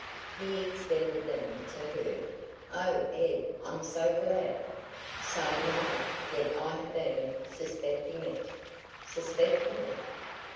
He extended them to her. "Oh, Ed! I'm so glad!" "So am I, yet I have been suspecting it." "Suspecting it?"